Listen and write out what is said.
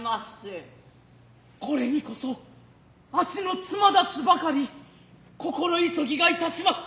此にこそ足の爪立つばかり心急ぎがいたします。